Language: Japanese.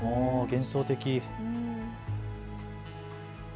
幻想的。